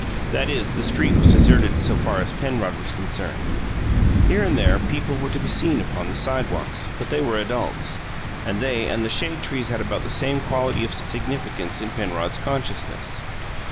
That is, the street was deserted so far as Penrod was concerned. Here and there people were to be seen upon the sidewalks, but they were adults, and they and the shade trees had about the same quality of significance in Penrod's consciousness.